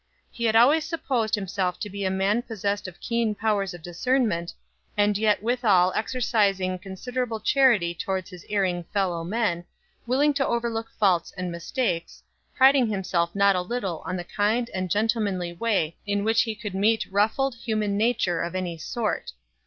He had always supposed himself to be a man possessed of keen powers of discernment, and yet withal exercising considerable charity toward his erring fellow men, willing to overlook faults and mistakes, priding himself not a little on the kind and gentlemanly way in which he could meet ruffled human nature of any sort.